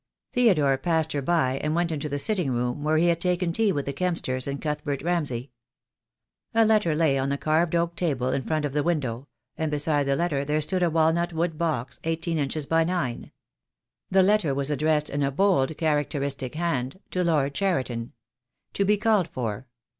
Theodore passed her by and went into the sitting room where he had taken tea with the Kempsters and Cuthbert Ramsay. A letter lay on the carved oak table in front of the window, and beside the letter there stood a walnut wood box, eighteen inches by nine. The letter was addressed, in a bold, characteristic hand, to Lord Cheriton. To be called for.